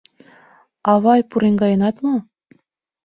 — Авай, пуреҥгаенат мо?..